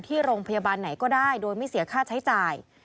ที่โรงพยาบาลไหนก็ได้โดยไม่เสียค่าใช้จ่าย